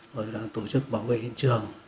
họ đã tổ chức bảo vệ hiện trường